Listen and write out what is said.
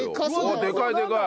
でかいでかい！